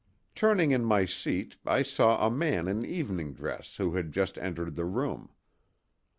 Turning in my seat I saw a man in evening dress who had just entered the room.